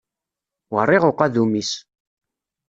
Werriɣ uqadum-is!